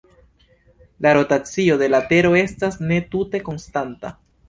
La rotacio de la Tero estas ne tute konstanta.